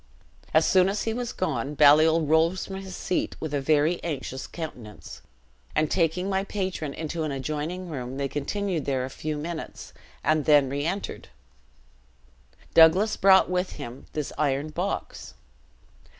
"As soon as he was gone, Baliol rose from his seat with a very anxious countenance, and taking my patron into an adjoining room, they continued there a few minutes, and then reentered. Doublas brought with him this iron box.